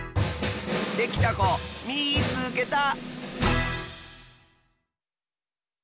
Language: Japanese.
できたこみいつけた！